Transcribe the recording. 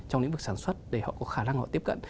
trong lĩnh vực sản xuất để họ có khả năng họ tiếp cận